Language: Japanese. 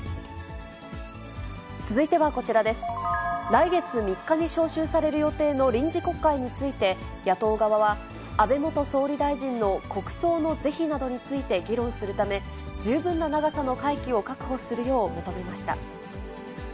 来月３日に召集される予定の臨時国会について、野党側は、安倍元総理大臣の国葬の是非などについて議論するため、十分な長さの会期を確保するよう求めました。